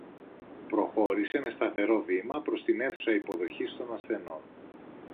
Προχώρησε με σταθερό βήμα προς την αίθουσα υποδοχής των ασθενών